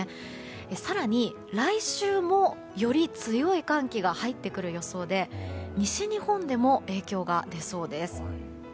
更に、来週もより強い寒気が入ってくる予想で西日本でも影響が出そうです。